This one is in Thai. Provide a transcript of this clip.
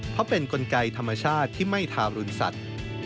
เพราะเป็นกลไกธรรมชาติที่ไม่ทารุณสัตว์